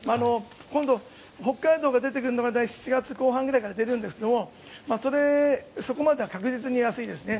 今度、北海道が出てくるのが７月後半ぐらいから出るんですがそこまでは確実に安いですね。